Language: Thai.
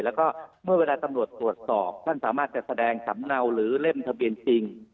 แล้วก็เมื่อเวลาตำรวจตรวจสอบท่านสามารถจะแสดงสำเนาหรือเล่มทะเบียนจริง